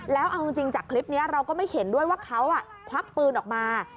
แล้วเอาจริงจากคลิปนี้เราก็ไม่เห็นด้วยว่าเขาควักปืนออกมา